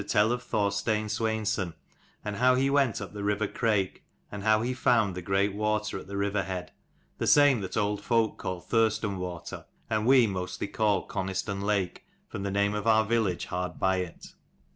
THE tell of Thorstein Sweinson, and FINDING how he went up the river OF THUR Crake, and how he found the STON jgreat water at the river head: WATER the same that old folk call Thurston water, and we mostly call Coniston lake, from the name of our village hard by it.